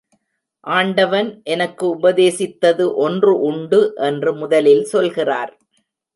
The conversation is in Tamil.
ஆண்டவன் எனக்கு உபதேசித்தது ஒன்று உண்டு என்று முதலில் சொல்கிறார்.